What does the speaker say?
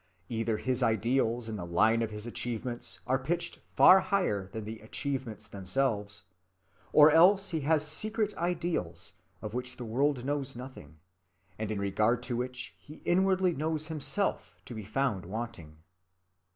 Either his ideals in the line of his achievements are pitched far higher than the achievements themselves, or else he has secret ideals of which the world knows nothing, and in regard to which he inwardly knows himself to be found wanting.